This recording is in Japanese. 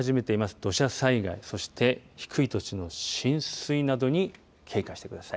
土砂災害そして低い土地の浸水などに警戒してください。